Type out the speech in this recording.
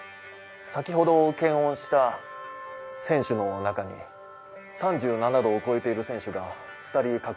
先ほど検温した選手の中に３７℃を超えている選手が２人確認されました。